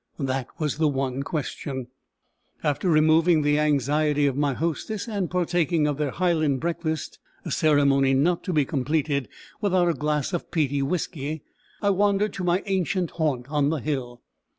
_ That was the one question. After removing the anxiety of my hostess, and partaking of their Highland breakfast, a ceremony not to be completed without a glass of peaty whisky, I wandered to my ancient haunt on the hill.